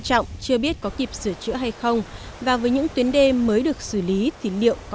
trọng chưa biết có kịp sửa chữa hay không và với những tuyến đê mới được xử lý thì liệu có